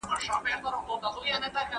ښوونځی د ماشومانو لپاره د فرصتونو دروازه ده.